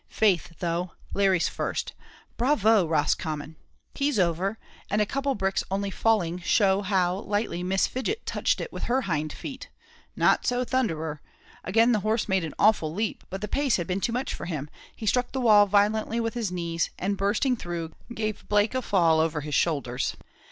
Faith though, Larry's first bravo, Roscommon!" He's over, and a couple of bricks only falling show how lightly Miss Fidget touched it with her hind feet; not so Thunderer; again the horse made an awful leap, but the pace had been too much for him, he struck the wall violently with his knees, and, bursting through, gave Blake a fall over his shoulders.